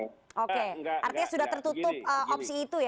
oke artinya sudah tertutup opsi itu ya